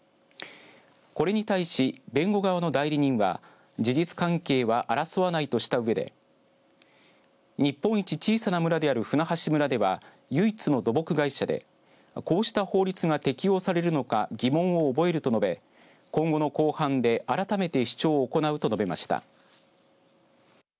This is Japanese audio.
これに対し、弁護側の代理人は事実関係は争わないとしたうえで日本一小さな村である舟橋村では唯一の土木会社でこうした法律が適用されるのか疑問を覚えると述べ今後の公判で改めて主張を行うと述べました。